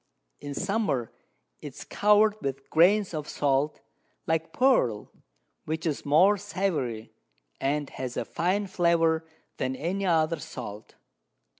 In Summer it is cover'd with Grains of Salt, like Pearl, which is more savoury, and has a finer Flavour than any other Salt.